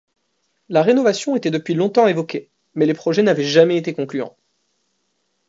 La rénovation était depuis longtemps évoquée, mais les projets n'avaient jamais été concluants.